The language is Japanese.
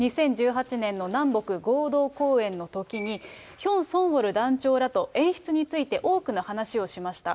２０１８年の南北合同公演のときに、ヒョン・ソンウォル団長らと演出について多くの話をしました。